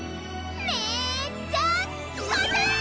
めっちゃコズい！